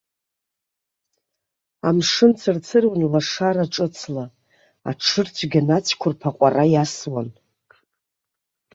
Амшын цырцыруан лашара ҿыцла, аҽырцәгьан ацәқәырԥ аҟәара иасуан.